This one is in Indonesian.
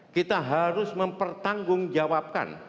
kita harus mempertanggungjawabkan